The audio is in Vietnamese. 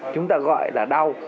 chúng ta gọi là đau